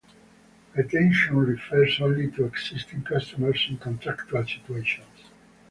Retention refers only to existing customers in contractual situations.